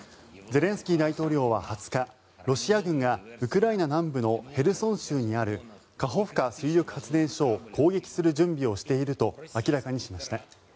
ゼレンスキー大統領は２０日ロシア軍がウクライナ南部のヘルソン州にあるカホフカ水力発電所を攻撃する準備をしていると明らかにしました。